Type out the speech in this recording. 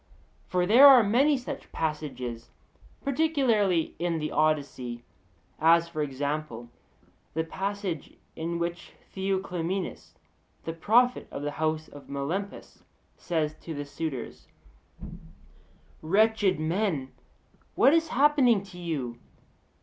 For there are many such passages, particularly in the Odyssee; as, for example, the passage in which Theoclymenus the prophet of the house of Melampus says to the suitors: 'Wretched men! what is happening to you?